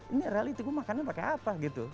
ini reality gue makannya pake apa gitu